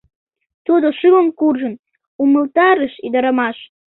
— Тудо шылын куржын, — умылтарыш ӱдырамаш.